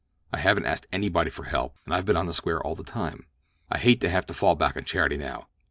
I haven't asked anybody for help, and I've been on the square all the time. I hate to have to fall back on charity now."